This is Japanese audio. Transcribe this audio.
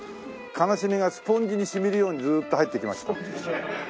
悲しみがスポンジに染みるようにずーっと入ってきました。